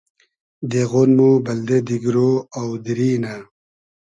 دېغۉن مۉ بئلدې دیگرۉ آو دیری نۂ